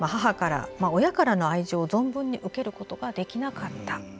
親からの愛情を存分に受けることができなかった。